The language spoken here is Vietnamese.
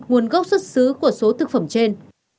nguồn gốc xuất xứ của số thực phẩm trên